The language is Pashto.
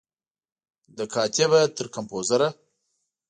له کاتبه تر کمپوزره